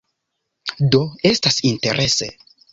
Do estas interese.